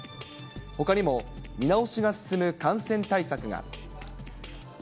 ほかにも見直しが進む感染対策が。